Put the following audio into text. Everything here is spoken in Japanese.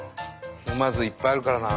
沼津いっぱいあるからな。